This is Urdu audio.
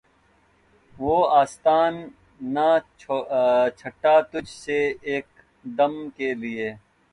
وہ آستاں نہ چھٹا تجھ سے ایک دم کے لیے